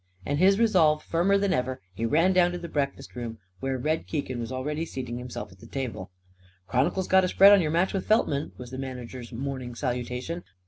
And, his resolve firmer than ever, he ran down to the breakfast room, where Red Keegan was already seating himself at the table. "Chron'cle's got a spread on your match with Feltman!" was the manager's morning salutation.